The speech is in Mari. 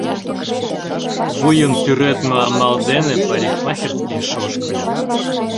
Вуйым тӱредме амал дене парикмахерскийыш ошкыльо.